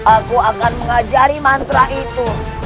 aku akan mengajari mantra itu